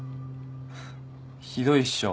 ひどいっしょ。